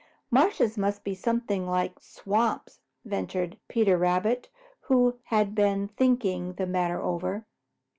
"Marshes must be something like swamps," ventured Peter Rabbit, who had been thinking the matter over.